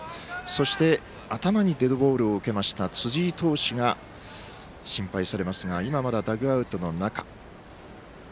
そして、頭にデッドボールを受けました辻井投手が、心配されますが今はまだダグアウトの中。